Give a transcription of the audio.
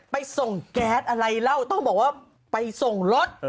ไปส่งแก๊สอะไรเล่าต้องบอกว่าไปส่งรถ